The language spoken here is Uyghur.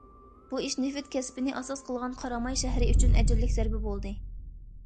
بۇ ئىش نېفىت كەسپىنى ئاساس قىلغان قاراماي شەھىرى ئۈچۈن ئەجەللىك زەربە بولدى.